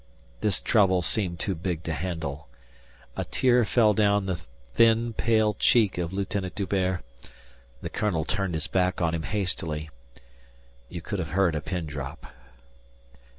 This trouble seemed too big to handle. A tear fell down the thin, pale cheek of Lieutenant D'Hubert. The colonel turned his back on him hastily. You could have heard a pin drop.